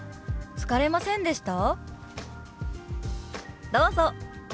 「疲れませんでした？」。